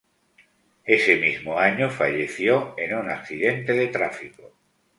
Ese mismo año falleció en un accidente de tráfico